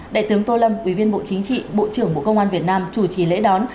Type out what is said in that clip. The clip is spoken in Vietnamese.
đại tướng tô lâm ủy viên bộ chính trị bộ trưởng bộ công an việt nam chủ trì lễ đón